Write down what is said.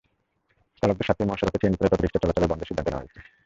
চালকদের স্বার্থেই মহাসড়কে সিএনজি চালিত অটোরিকশার চলাচল বন্ধের সিদ্ধান্ত নেওয়া হয়েছে।